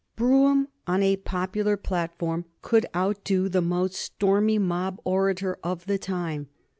Brougham on a popular platform could outdo the most stormy mob orator of the time.